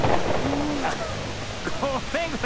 あっごめんごめん。